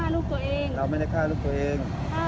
เราไม่ได้ฆ่าลูกตัวเอง